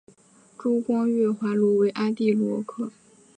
珠光月华螺为阿地螺科月华螺属的动物。